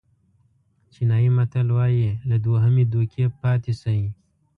چینایي متل وایي له دوهمې دوکې پاتې شئ.